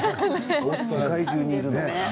世界中にいるんだ。